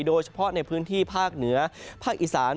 โดยเฉพาะในพื้นที่ภาคเหนือภาคอีสาน